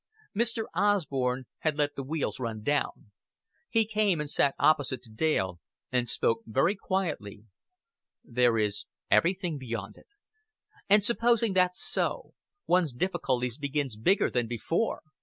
Mr. Osborn had let the wheels run down. He came and sat opposite to Dale, and spoke very quietly. "There is everything beyond it." "And supposing that's so, one's difficulty begins bigger than before.